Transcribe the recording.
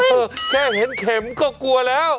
แค่เห็นเข็มก็กลัวแล้ว